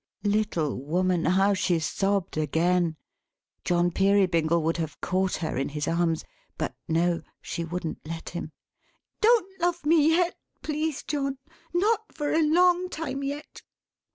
Little woman, how she sobbed again! John Peerybingle would have caught her in his arms. But no; she wouldn't let him. "Don't love me yet, please John! Not for a long time yet!